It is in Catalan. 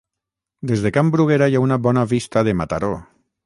Des de Can Bruguera hi ha una bona vista de Mataró.